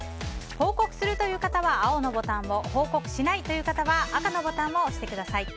報告するという方は青のボタンを報告しないという方は赤のボタンを押してください。